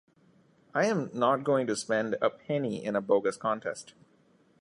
I am not going to spend a penny in a bogus contest.